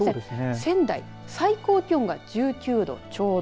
仙台は最高気温が１９度ちょうど。